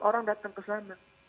orang datang ke sana